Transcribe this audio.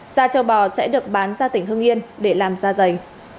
da châu bò sẽ được bán ra tỉnh hưng yên để làm da dày